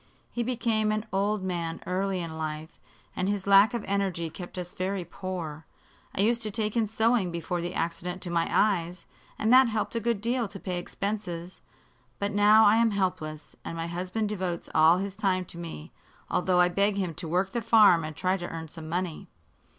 He became an old man early in life, and his lack of energy kept us very poor. I used to take in sewing before the accident to my eyes, and that helped a good deal to pay expenses. But now I am helpless, and my husband devotes all his time to me, although I beg him to work the farm and try to earn some money.